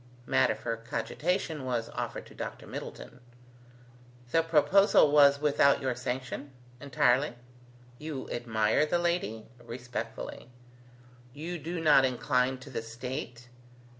Matter for cogitation was offered to Dr. Middleton. "The proposal was without your sanction?" "Entirely." "You admire the lady?" "Respectfully." "You do not incline to the state?"